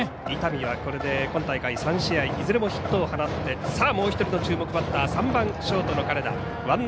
伊丹はこれで今大会３試合いずれのヒットを放ってもう１人の注目バッター３番、ショートの金田。